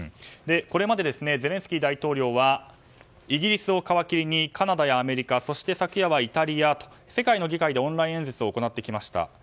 これまでゼレンスキー大統領はイギリスを皮切りにカナダやアメリカ昨夜はイタリアと世界の議会でオンライン演説を行ってきました。